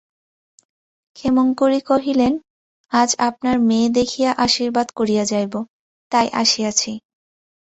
ক্ষেমংকরী কহিলেন, আজ আপনার মেয়ে দেখিয়া আশীর্বাদ করিয়া যাইব, তাই আসিয়াছি।